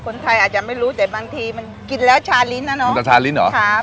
คนไทยอาจจะไม่รู้แต่บางทีมันกินแล้วชาลิ้นนะเนาะมันจะชาลิ้นเหรอครับ